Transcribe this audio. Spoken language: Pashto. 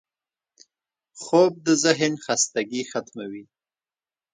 خوب د ذهنو خستګي ختموي